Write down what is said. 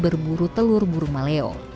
berburu telur burung maleo